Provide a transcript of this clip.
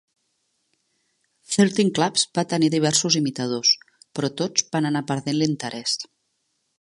Thirteen Clubs van tenir diversos imitadors, però tots van anar perdent l'interès.